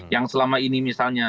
yang selama ini misalnya